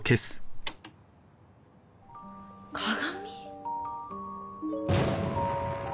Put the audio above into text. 鏡！？